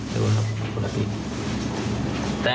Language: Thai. แต่มันอยู่ที่นี่